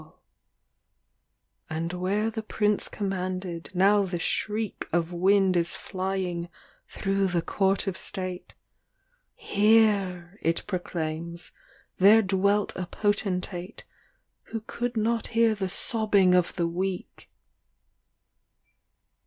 48 THE DIWAN OF ABUŌĆÖL ALA LXIX And where the Prince commanded, now the shriek Of wind is flying through the court of state : ŌĆ£ Here, ŌĆØ it proclaims, ŌĆ£ there dwelt a potentate Who could not hear the sobbing of the weak.